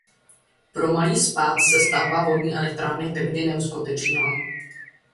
Pro malý spád se stavba vodní elektrárny tehdy neuskutečnila.